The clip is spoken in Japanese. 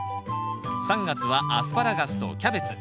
３月は「アスパラガス」と「キャベツ」。